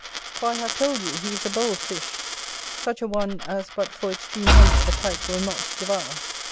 For I have told you, he is a bold fish; such a one as but for extreme hunger the Pike will not devour.